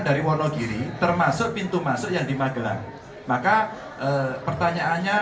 dari warla giri termasuk pintu masuk yang dibangun maka pertanyaannya